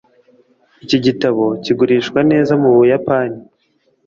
iki gitabo kigurishwa neza mubuyapani